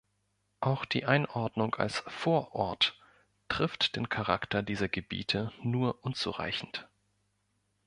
Auch die Einordnung als Vorort trifft den Charakter dieser Gebiete nur unzureichend.